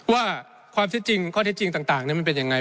ว่าความที่จริงข้อเท็จจริงต่างมันเป็นยังไง